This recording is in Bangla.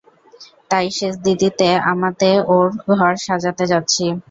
তাই সেজদিদিতে আমাতে ওঁর ঘর সাজাতে যাচ্ছি।